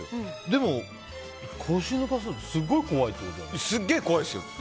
でも、腰抜かすってすごい怖いってことだよね。